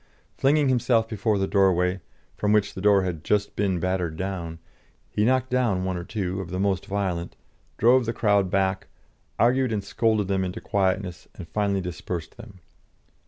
Flinging himself before the doorway, from which the door had just been battered down, he knocked down one or two of the most violent, drove the crowd back, argued and scolded them into quietness, and finally dispersed them.